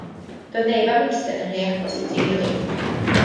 Doedd neb am eistedd yn rhy agos at ei gilydd.